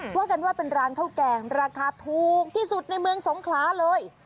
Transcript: ว่ากันว่าเป็นร้านข้าวแกงราคาถูกที่สุดในเมืองสงขลาเลย